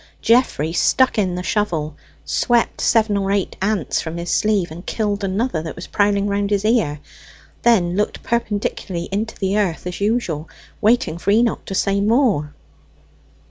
Geoffrey stuck in the shovel, swept seven or eight ants from his sleeve, and killed another that was prowling round his ear, then looked perpendicularly into the earth as usual, waiting for Enoch to say more.